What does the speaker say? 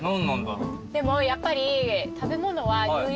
でもやっぱり。